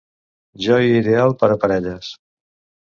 Joia ideal per a parelles.